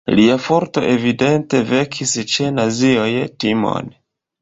Lia forto evidente vekis ĉe nazioj timon.